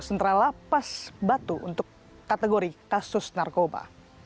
sementara lapas batu untuk kategori kasus narkoba